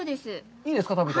いいですか、食べて。